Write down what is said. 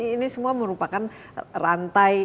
ini semua merupakan rantai